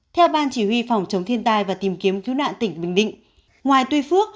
theo ban chỉ huy phòng chống thiên tai và tìm kiếm cứu nạn tỉnh bình định ngoài tuy phước